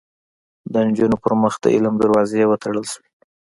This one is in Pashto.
د نجونو پر مخ د علم دروازې وتړل شوې